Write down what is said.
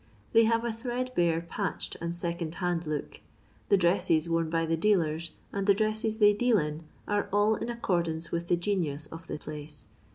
They have a thread bare, patched, and tecond hand look. The dresses worn by the dealers, and the dresses they deal ID, are all in accordance with the genius of the phioe.